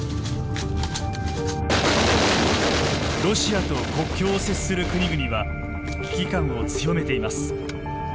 ロシアと国境を接する国々は危機感を強めています。